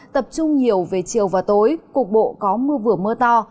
tập trung nhiều về chiều và tối cục bộ có mưa vừa mưa to